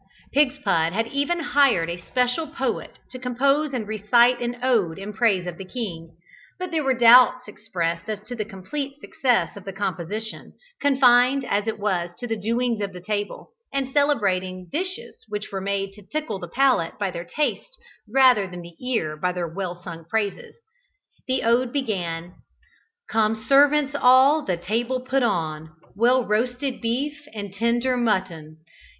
Pigspud had even hired a special poet to compose and recite an ode in praise of the King, but there were doubts expressed as to the complete success of the composition, confined as it was to the doings of the table, and celebrating dishes which were made to tickle the palate by their taste rather than the ear by their well sung praises. The ode began, "Come servants all, the table put on Well roasted beef and tender mutton.